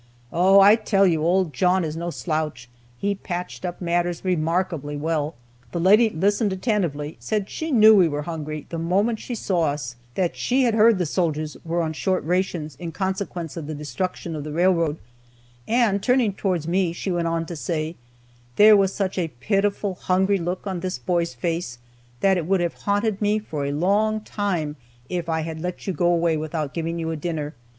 Oh! I tell you, old John is no slouch; he patched up matters remarkably well. The lady listened attentively, said she knew we were hungry the moment she saw us, that she had heard the soldiers were on short rations in consequence of the destruction of the railroad, and turning towards me she went on to say: 'There was such a pitiful, hungry look on this boy's face that it would have haunted me for a long time if I had let you go away without giving you a dinner.